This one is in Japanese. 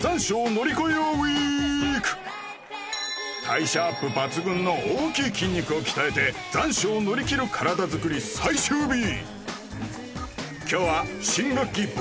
代謝アップ抜群の大きい筋肉を鍛えて残暑を乗り切る体づくり最終日